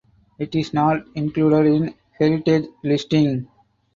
It is not included in heritage listing.